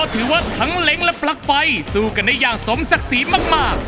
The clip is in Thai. ถือว่าทั้งเหล็กและปล๊อกไฟสู้กันในอย่างสมสักฺษีมาก